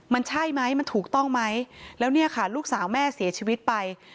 มันใช่ไหมมันถูกต้องไหมแล้วเนี่ยค่ะลูกสาวแม่เสียชีวิตไป